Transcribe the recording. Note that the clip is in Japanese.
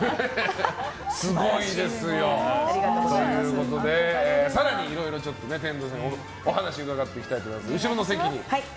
すごいですよ。ありがとうございます。ということで更にいろいろ、天童さんにお話を伺っていきたいと思います。